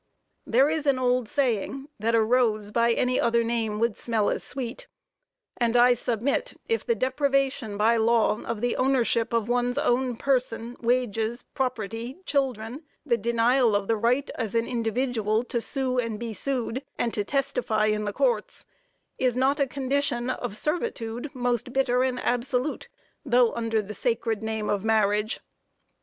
There is an old saying that "a rose by any other name would smell as sweet," and I submit if the deprivation by law of the ownership of one's own person, wages, property, children, the denial of the right as an individual, to sue and be sued, and to testify in the courts, is not a condition of servitude most bitter and absolute, though under the sacred name of marriage?